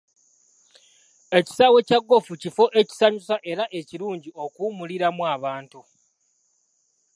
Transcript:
Ekisaawe kya ggoofu kifo ekisanyusa era ekirungi okuwummuliramu abantu.